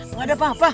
enggak ada apa apa